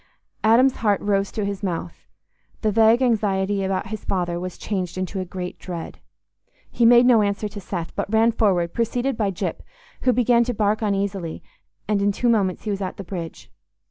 Adam's heart rose to his mouth: the vague anxiety about his father was changed into a great dread. He made no answer to Seth, but ran forward preceded by Gyp, who began to bark uneasily; and in two moments he was at the bridge.